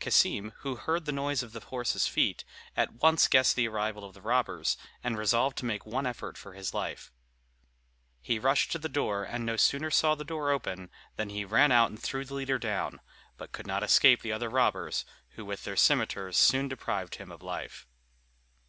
Cassim, who heard the noise of the horses' feet, at once guessed the arrival of the robbers, and resolved to make one effort for his life. He rushed to the door, and no sooner saw the door open, than he ran out and threw the leader down, but could not escape the other robbers, who with their cimeters soon deprived him of life.